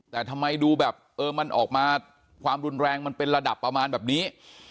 แต่ทำไมดูแบบเออมันออกมาความรุนแรงมันเป็นระดับประมาณแบบนี้